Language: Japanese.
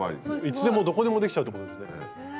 いつでもどこでもできちゃうってことですね。